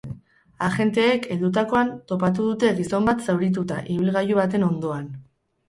Agenteek, heldutakoan, topatu dute gizon bat zaurituta, ibilgailu baten ondoan.